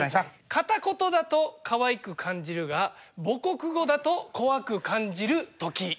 カタコトだとかわいく感じるが母国語だと怖く感じる時。